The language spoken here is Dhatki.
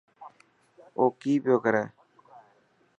اوڪي پيو ڪري.